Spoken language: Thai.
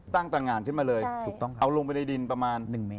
ตั้งต่างานขึ้นมาเลยเอาลงไปในดินประมาณ